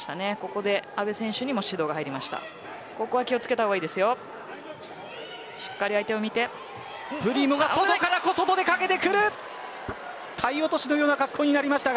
ここで阿部選手にも指導が入りました。